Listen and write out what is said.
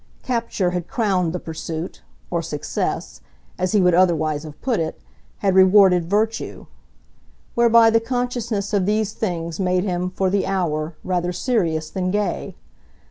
Capture had crowned the pursuit or success, as he would otherwise have put it, had rewarded virtue; whereby the consciousness of these things made him, for the hour, rather serious than gay.